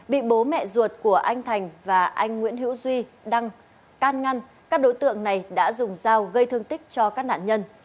bị bố mẹ ruột của anh thành và anh nguyễn hữu duy đang can ngăn các đối tượng này đã dùng dao gây thương tích cho các nạn nhân